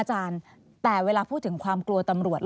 อาจารย์แต่เวลาพูดถึงความกลัวตำรวจ